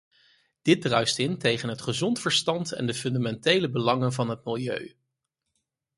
Dit druist in tegen het gezond verstand en de fundamentele belangen van het milieu.